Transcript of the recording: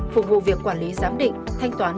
phục vụ việc quản lý giám định thanh toán